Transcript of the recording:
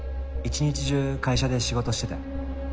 一日中会社で仕事してたよ。